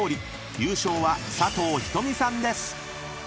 ［優勝は佐藤仁美さんです］